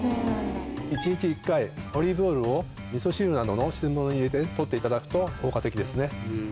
１日１回オリーブオイルをみそ汁などの汁物に入れて取っていただくと効果的ですね。